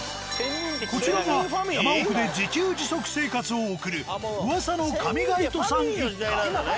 こちらが山奥で自給自足生活を送るうわさの上垣内さん一家。